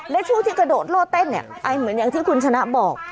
และช่วงที่กระโดดโล่เต้นเนี่ยไอเหมือนอย่างที่คุณชนะบอก